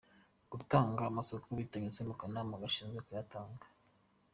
Gutanga amasoko bitanyuze mu kanama gashinzwe kuyatanga;.